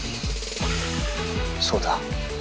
そうだ。